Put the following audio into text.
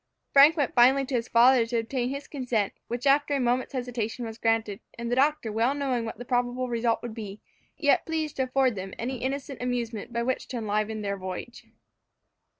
Frank went finally to his father to obtain his consent, which after a moment's hesitation was granted, the doctor well knowing what the probable result would be, yet pleased to afford them any innocent amusement by which to enliven their voyage.